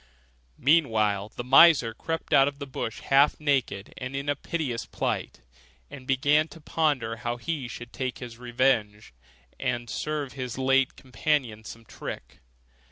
Meanwhile the miser crept out of the bush half naked and in a piteous plight, and began to ponder how he should take his revenge, and serve his late companion some trick.